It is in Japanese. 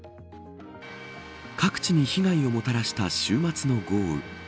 各地に被害をもたらした週末の豪雨。